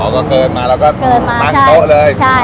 อ๋อก็เกินมาแล้วก็เกินมาตั้งโต๊ะเลยใช่